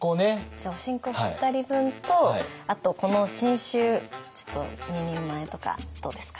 じゃあおしんこ２人分とあとこの新酒ちょっと２人前とかどうですか？